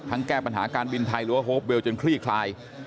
แก้ปัญหาการบินไทยหรือว่าโฮปเวลจนคลี่คลาย